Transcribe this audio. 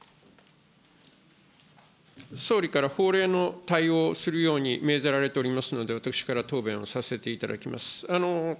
総理から法令の対応をするように、命ぜられておりますので、私から答弁をさせていただきます。